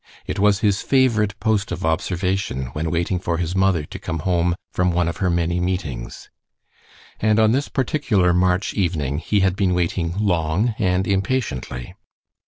It was his favorite post of observation when waiting for his mother to come home from one of her many meetings. And on this particular March evening he had been waiting long and impatiently.